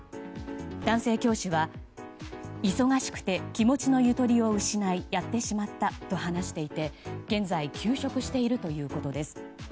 男性教師は忙しくて気持ちのゆとりを失いやってしまったと話していて現在、休職しているということです。